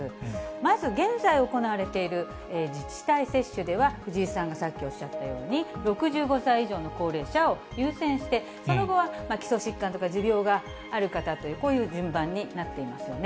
まず現在行われている自治体接種では、藤井さんがさっきおっしゃったように、６５歳以上の高齢者を優先して、その後は基礎疾患とか持病がある方とか、こういう順番になっていますよね。